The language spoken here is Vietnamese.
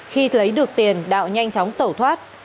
khi lấy được tiền đạo nhanh chóng tẩu thoát